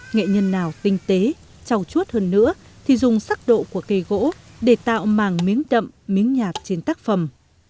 nghệ nhân nào tinh tế trầu chuốt hơn nữa thì dùng sắc độ của cây gỗ để tạo màng miếng đậm miếng nhạt trên tác phẩm